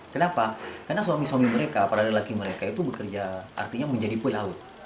kenapa karena suami suami mereka para lelaki mereka itu bekerja artinya menjadi pelaut